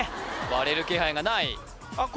割れる気配がないあっ